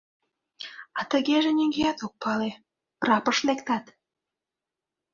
А тыгеже нигӧат ок пале, прапыш лектат.